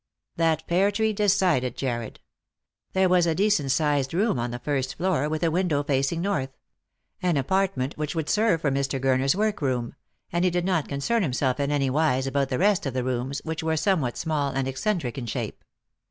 That pear tree decided Jarred. There was a decent sized room on the first floor, with a window facing north — an apart ment which would serve for Mr. Gurner's work room ; and he. did not concern himself in any wise about the rest of the rooms, which were somewhat small and eccentric in shape.